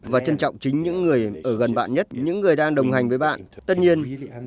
và trân trọng chính những người ở gần bạn nhất những người đang đồng hành với bạn